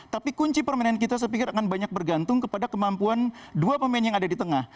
tapi kunci permainan kita saya pikir akan banyak bergantung kepada kemampuan dua pemain yang ada di tengah